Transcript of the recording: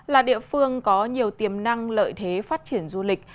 là địa phương có nhiều tiềm năng lợi thế phát triển du lịch